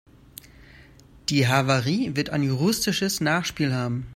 Die Havarie wird ein juristisches Nachspiel haben.